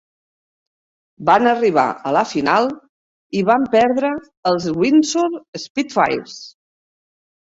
Van arribar a la final i van perdre els Windsor Spitfires.